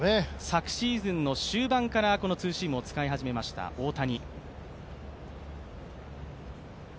昨シーズンの終盤からこのツーシームを使い始めました大谷。